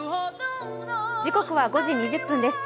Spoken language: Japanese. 時刻は５時２０分です。